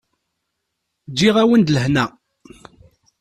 Ǧǧiɣ-awen-d lehna.